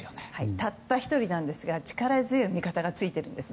たった１人なんですが力強い味方がついているんです。